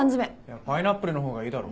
パイナップルの方がいいだろ。